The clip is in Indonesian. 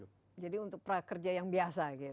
ya artinya dipersiapkan untuk prakerja yang biasa